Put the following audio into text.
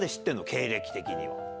経歴的には。